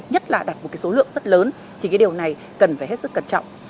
nhất là đặt một cái số lượng rất lớn thì cái điều này cần phải hết sức cẩn trọng